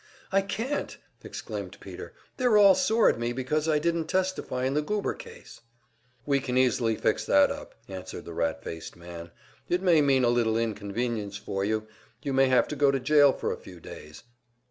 "I can't!" exclaimed Peter. "They're all sore at me because I didn't testify in the Goober case." "We can easily fix that up," answered the rat faced man. "It may mean a little inconvenience for you. You may have to go to jail for a few days."